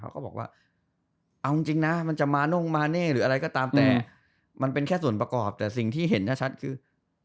ก็บอกว่าเอาจริงนะมันจะมาน่งมาเน่หรืออะไรก็ตามแต่มันเป็นแค่ส่วนประกอบแต่สิ่งที่เห็นชัดคือ